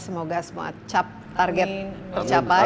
semoga semua target tercapai